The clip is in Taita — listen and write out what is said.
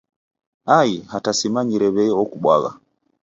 Ai hata sirumirie w'ei okubwagha.